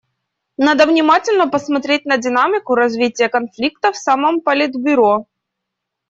Надо внимательно посмотреть на динамику развития конфликта в самом Политбюро.